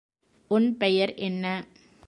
உன் பெயர் என்ன?